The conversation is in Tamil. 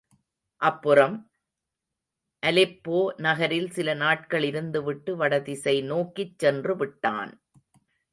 அப்புறம்? அலெப்போ நகரில் சில நாட்கள் இருந்துவிட்டு வடதிசை நோக்கிச் சென்றுவிட்டான்.